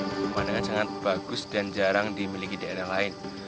pemandangan sangat bagus dan jarang dimiliki di area lain